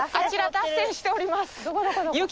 ちら脱線しております。